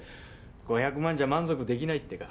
５００万じゃ満足できないってか？